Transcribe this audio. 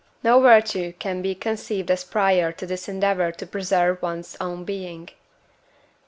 No virtue can be conceived as prior to this endeavour to preserve one's own being.